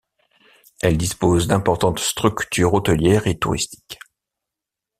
Elle dispose d’importantes structures hôtelières et touristiques.